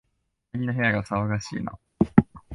隣の部屋、騒がしいな